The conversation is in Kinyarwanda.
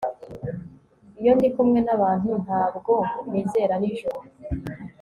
Iyo ndi kumwe nabantu ntabwo nizera nijoro